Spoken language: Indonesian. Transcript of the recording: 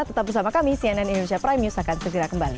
tetap bersama kami cnn indonesia prime news akan segera kembali